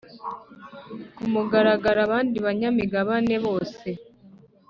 ku mugaragaro abandi banyamigabane bose